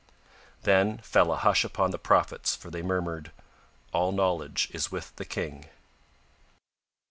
Then fell a hush upon the prophets for they murmured: "All knowledge is with the King."